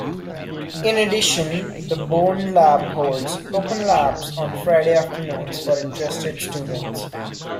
In addition, the Bourn Lab holds "Open Labs" on Friday afternoons for interested students.